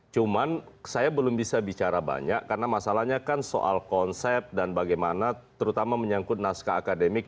cuman saya belum bisa bicara banyak karena masalahnya kan soal konsep dan bagaimana terutama menyangkut naskah akademik